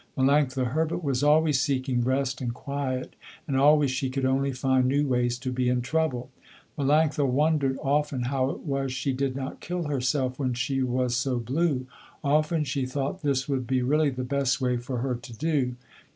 Melanctha Herbert was always seeking rest and quiet, and always she could only find new ways to be in trouble. Melanctha wondered often how it was she did not kill herself when she was so blue. Often she thought this would be really the best way for her to do.